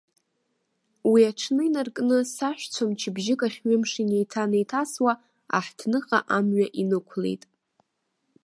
Уи аҽны инаркны, саҳәшьцәа мчыбжьык ахь ҩымш инеиҭанеиҭасуа аҳҭныҟа амҩа инықәлеит.